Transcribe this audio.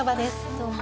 どうも。